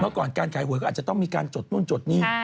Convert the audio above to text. เมื่อก่อนการขายหวยก็อาจจะต้องมีการจดนู่นจดนี่